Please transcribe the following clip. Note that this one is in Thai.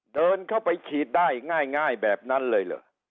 เดินเข้าไปฉีดได้ง่ายแบบนั้นเลยเหรอ